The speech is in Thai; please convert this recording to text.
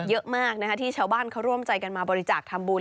เยอะมากที่ชาวบ้านเขาร่วมใจกันมาบริจาคทำบุญ